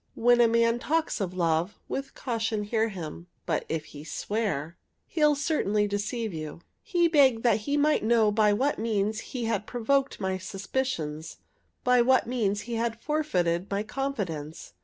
When a man talks of love, with caution hear him; But if he swear, he'll certainly deceive you." He begged that he might know by what means he had provoked my suspicions; by what means he had forfeited my confidence.